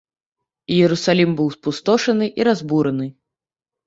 Іерусалім быў спустошаны і разбураны.